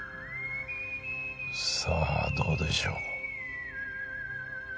さあどうでしょう。